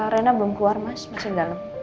rena belum keluar mas masih dalam